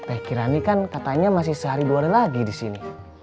eh kirani kan katanya masih sehari dua lagi disini